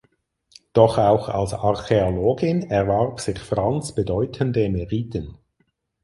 Doch auch als Archäologin erwarb sich Frantz bedeutende Meriten.